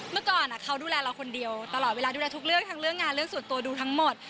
เมื่อก่อนเขาดูแลเราคนเดียวตลอดเวลาดูแลทุกเรื่องทั้งเรื่องงานเรื่องส่วนตัวดูทั้งหมด